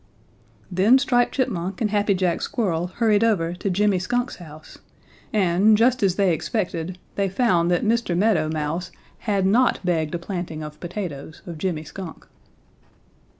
"Then Striped Chipmunk and Happy Jack Squirrel hurried over to Jimmy Skunk's house, and, just as they expected, they found that Mr. Meadow Mouse had not begged a planting of potatoes of Jimmy Skunk.